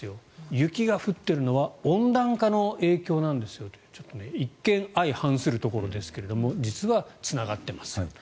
雪が降っているのは温暖化の影響なんですよという一見、相反するところですが実はつながっています。